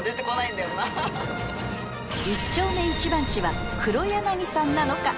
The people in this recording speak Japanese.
んだよな一丁目一番地は黒柳さんなのか？